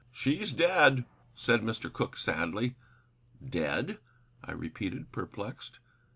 "She's dead," said Mr. Cooke, sadly. "Dead?" I repeated, perplexed.